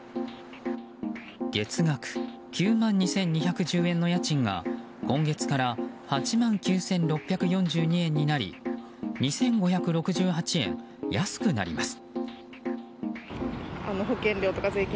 月額９万２２１０円の家賃が今月から８万９６４２円になり２５６８円安くなります。